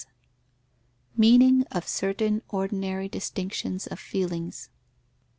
_Meaning of certain ordinary distinctions of feelings.